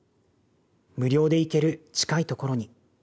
無料で行ける近い所に。